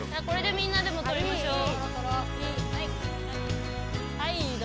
これでみんなでも撮りましょう。